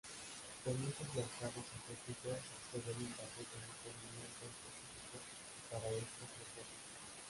En muchos mercados asiáticos se venden paquetes de condimento específico para este propósito.